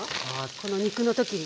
この肉の時に。